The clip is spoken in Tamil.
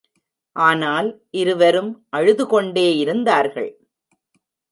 ஆனால், இருவரும் அழுதுகொண்டே இருந்தார்கள்.